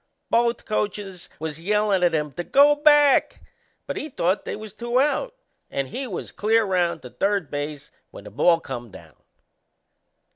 Both coachers was yellin' at him to go back, but he thought they was two out and he was clear round to third base when the ball come down.